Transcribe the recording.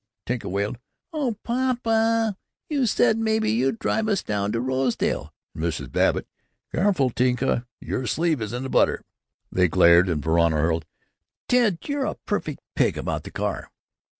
Tinka wailed, "Oh, papa, you said maybe you'd drive us down to Rosedale!" and Mrs. Babbitt, "Careful, Tinka, your sleeve is in the butter." They glared, and Verona hurled, "Ted, you're a perfect pig about the car!"